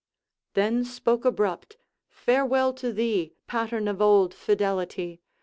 Then spoke abrupt: 'Farewell to thee, Pattern of old fidelity!'